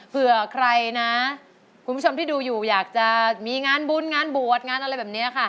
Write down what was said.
เผื่อใครนะคุณผู้ชมที่ดูอยู่อยากจะมีงานบุญงานบวชงานอะไรแบบนี้ค่ะ